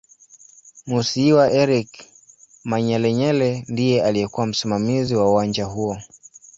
Musiiwa Eric Manyelenyele ndiye aliyekuw msimamizi wa uwanja huo